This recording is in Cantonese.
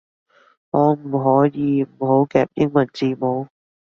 可唔可以唔好夾英文字母